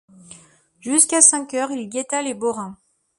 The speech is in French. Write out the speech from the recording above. Jusqu’à cinq heures, il guetta les Borains.